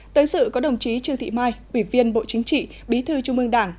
tới sự có đồng chí trương thị mai ủy viên bộ chính trị bí thư trung ương đảng